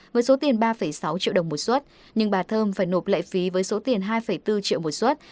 với số tiền ba sáu triệu đồng một suất nhưng bà thơm phải nộp lệ phí với số tiền hai bốn triệu một suất